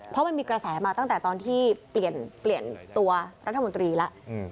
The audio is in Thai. เพราะมันมีกระแสมาตั้งแต่ตอนที่เปลี่ยนตัวรัฐมนตรีแล้ว